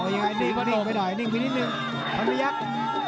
มีนิดหนึ่งพันไปยักษ์